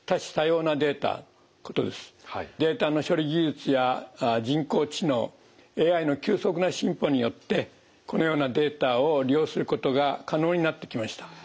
データの処理技術や人工知能ＡＩの急速な進歩によってこのようなデータを利用することが可能になってきました。